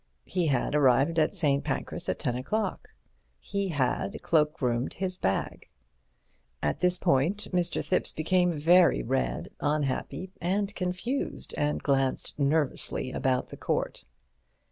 He had arrived at St. Pancras at ten o'clock. He had cloak roomed his bag. At this point Mr. Thipps became very red, unhappy and confused, and glanced nervously about the court.